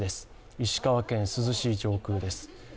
石川県珠洲市上空です。